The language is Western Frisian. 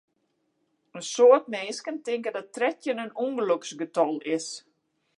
In soad minsken tinke dat trettjin in ûngeloksgetal is.